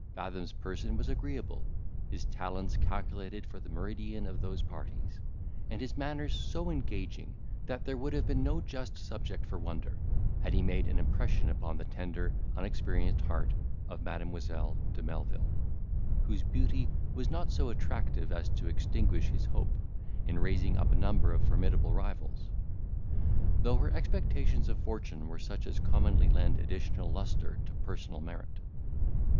Fathom's person was agreeable, his talents calculated for the meridian of those parties, and his manners so engaging, that there would have been no just subject for wonder, had he made an impression upon the tender unexperienced heart of Mademoiselle de Melvil, whose beauty was not so attractive as to extinguish his hope, in raising up a number of formidable rivals; though her expectations of fortune were such as commonly lend additional lustre to personal merit.